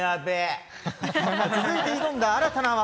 続いて挑んだ新たな技。